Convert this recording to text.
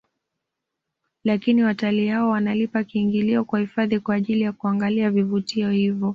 Lakini watalii hao wanalipa kiingilio kwa hifadhi kwa ajili ya kuangalia vivutio hivyo